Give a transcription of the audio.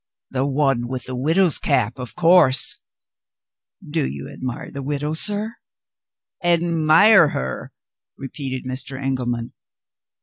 "The one with the widow's cap, of course!" "Do you admire the widow, sir?" "Admire her!" repeated Mr. Engelman.